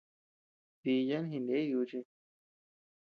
Diyan jiney duchii.